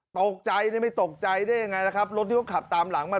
ตกใจนี่ไม่ตกใจได้ยังไงนะครับรถที่เขาขับตามหลังมา